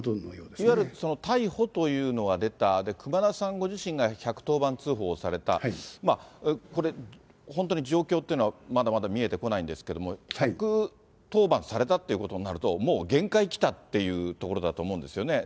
いわゆる逮捕というのが出た、熊田さんご自身が１１０番通報された、これ、本当に状況っていうのは、まだまだ見えてこないんですけども、１１０番されたってことになると、もう限界来たっていうところだと思うんですよね。